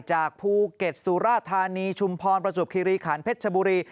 จากภูเก็ตสุราธานีชุมพรประจวบคิริขันเพชรชบุรี